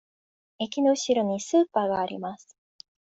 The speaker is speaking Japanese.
駅のうしろにスーパーがあります。